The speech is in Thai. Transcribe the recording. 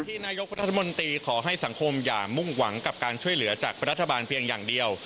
นายกรัฐมนตรีขอให้สังคมอย่ามุ่งหวังกับการช่วยเหลือจากรัฐบาลเพียงอย่างเดียว